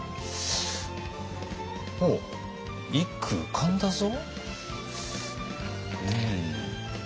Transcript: おお一句浮かんだぞ。